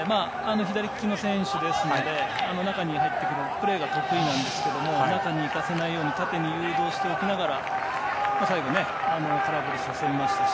左利きの選手ですので中に入ってくるプレーが得意なんですけども中にいかせないように縦に誘導しておきながら最後、空振りさせました。